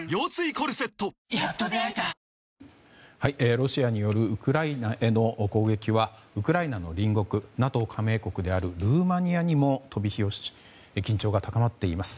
ロシアによるウクライナへの攻撃はウクライナの隣国ＮＡＴＯ加盟国であるルーマニアにも飛び火をし緊張が高まっています。